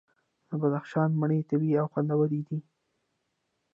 د بدخشان مڼې طبیعي او خوندورې دي.